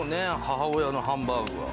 母親のハンバーグは。